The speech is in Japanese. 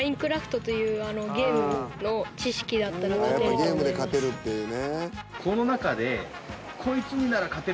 ［やっぱゲームで勝てるっていうね］